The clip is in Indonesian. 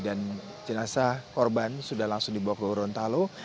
dan jenazah korban sudah langsung dibawa ke gorontalo